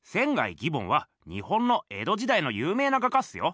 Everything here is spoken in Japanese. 義梵は日本の江戸時代の有名な画家っすよ。